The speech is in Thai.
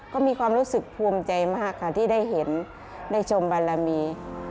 ก็มีความรู้สึกภูมิใจมากค่ะที่ได้เห็นได้ชมบารมี